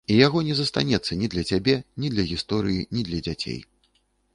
І яго не застанецца ні для цябе, ні для гісторыі, ні для дзяцей.